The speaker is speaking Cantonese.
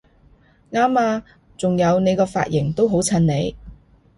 啱吖！仲有你個髮型都好襯你！